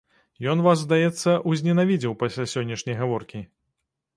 Ён вас, здаецца, узненавідзеў пасля сённяшняй гаворкі?